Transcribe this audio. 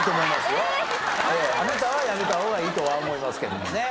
あなたはやめた方がいいとは思いますけどもね。